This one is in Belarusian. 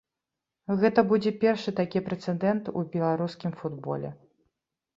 Гэта будзе першы такі прэцэдэнт у беларускім футболе.